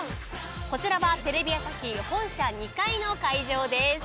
こちらはテレビ朝日本社２階の会場です。